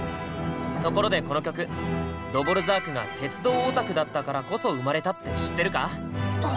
ところでこの曲ドヴォルザークが鉄道オタクだったからこそ生まれたって知ってるか？は？